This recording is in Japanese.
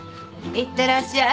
いってらっしゃい。